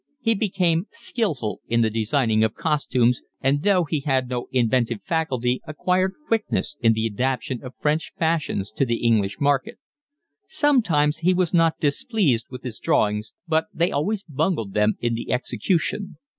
He became skilful in the designing of costumes, and though he had no inventive faculty acquired quickness in the adaptation of French fashions to the English market. Sometimes he was not displeased with his drawings, but they always bungled them in the execution.